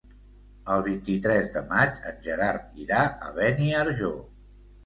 El vint-i-tres de maig en Gerard irà a Beniarjó.